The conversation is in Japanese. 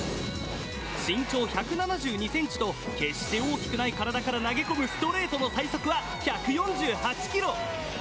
身長１７２センチと決して大きくない体から投げ込むストレートの最速は１４８キロ。